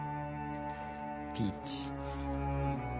ピーチ。